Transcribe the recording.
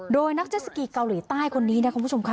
โดยนักเจสสกีเกาหลีใต้คนนี้นะคุณผู้ชมค่ะ